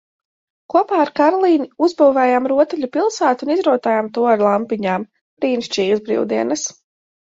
Kopā ar Karlīni uzbūvējām rotaļu pilsētu un izrotājām to ar lampiņām. Brīnišķīgas brīvdienas!